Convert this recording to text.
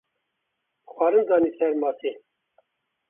xwarin danî ser masê.